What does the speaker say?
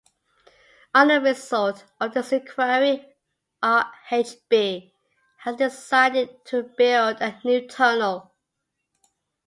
On the result of this inquiry RhB has decided to build a new tunnel.